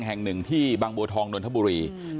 แห่งหนึ่งที่บางบัวทองนนทบุรี